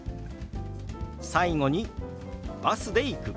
最後に「バスで行く」。